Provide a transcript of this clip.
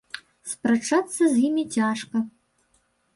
Спрачацца з імі цяжка.